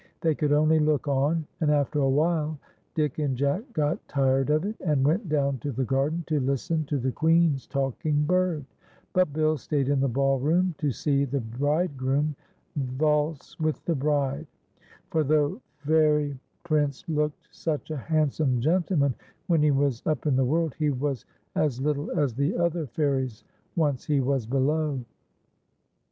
They could only look on, and after a while Dick and Jack got tired of it, and went down to the garden to listen to the Queen's talking bird, but Bill stayed in the ball room to see the bridegroom valse with the bride ; for though Fairy TirSY'S SILVER BELL. i<3 Piince looked such a handsome gentleman when he was up in the world, he was as little as the other fairies once he was below.